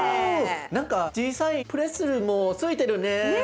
何か小さいプレッツェルもついてるね。